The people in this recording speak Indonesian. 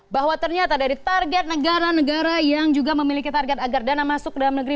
bahwa ternyata dari target negara negara yang juga memiliki target agar dana masuk ke dalam negeri